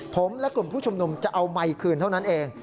ผมและกลุ่มผู้ชุมนุมจะเอาไมค์คืนเท่านั้นเอง